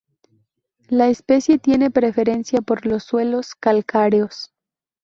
La especie tiene preferencia por los suelos calcáreos.